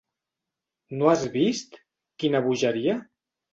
No has vist, quina bogeria?